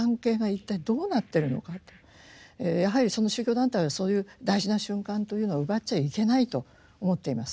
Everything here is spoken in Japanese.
やはりその宗教団体はそういう大事な瞬間というのを奪っちゃいけないと思っています。